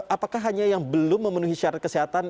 apakah hanya yang belum memenuhi syarat kesehatan